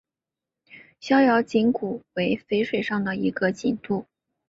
逍遥津古为淝水上的一个津渡。